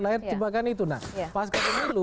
lahir karena jebakan itu nah pas ke pemilu